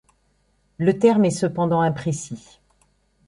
Le terme est cependant imprécis.